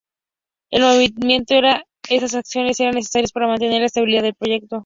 El motivo era que esas acciones eran necesarias para mantener la estabilidad del proyecto.